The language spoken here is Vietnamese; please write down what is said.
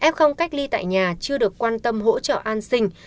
f cách ly tại nhà chưa được quan tâm hỗ trợ an sinh